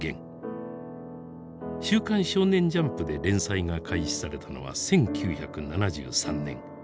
「週刊少年ジャンプ」で連載が開始されたのは１９７３年。